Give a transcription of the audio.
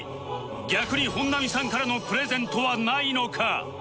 逆に本並さんからのプレゼントはないのか？